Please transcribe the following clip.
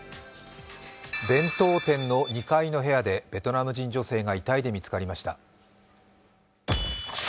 弁当店の２階の部屋でベトナム人女性が遺体で見つかりました。